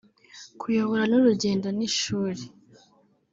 kuyobora n’urugendo ni ishuli